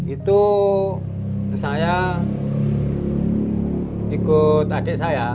itu saya ikut adik saya